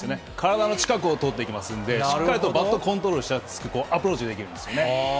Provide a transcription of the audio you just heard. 体の近くを通っていきますんで、しっかりとバットコントロールしやすくアプローチできるんですよ